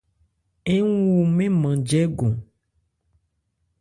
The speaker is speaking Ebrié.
Ń wu mɛ́n nman jɛ́gɔn.